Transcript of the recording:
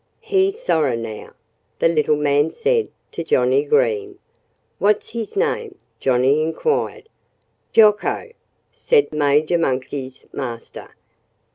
"He sorra now!" the little man said to Johnnie Green. "What's his name?" Johnnie inquired. "Jocko!" said Major Monkey's master.